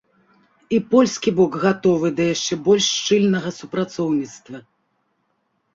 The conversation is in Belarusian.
І польскі бок гатовы да яшчэ больш шчыльнага супрацоўніцтва.